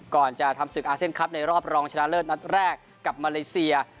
ก่อนจะทำศึกอาเซียนคลับในรอบรองชนะเลิศนัดแรกกับมาเลเซีย